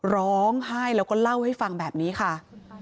ร้องไห้แล้วก็เล่าให้ฟังแบบนี้ค่ะ